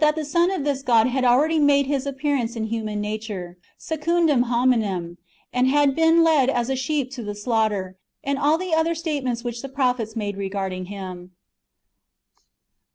the Son of this [God] had already made [His] appearance in human nature {secundum Jiomineni), and had been led as a sheep to the slaughter ; and all the other statements which the prophets make regarding Him.